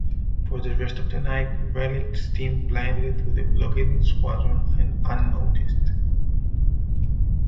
For the rest of the night, "Raleigh" steamed blindly through the blockading squadron, unnoticed.